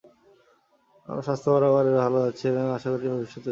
আমার স্বাস্থ্য বরাবর বেশ ভাল যাচ্ছে এবং আশা করি, ভবিষ্যতেও যাবে।